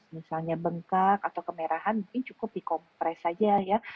misalnya bengkak atau kemerahan mungkin cukup dikompres saja ya